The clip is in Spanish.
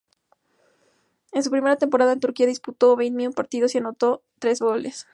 En su primera temporada en Turquía disputó veintiún partidos y anotó tres goles.